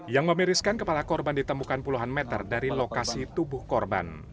yang memiriskan kepala korban ditemukan puluhan meter dari lokasi tubuh korban